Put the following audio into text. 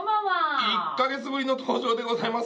１カ月ぶりの登場でございます。